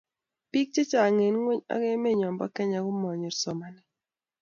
biik chechang eng ingweny ak emenyo nebo Kenya komanyor somanet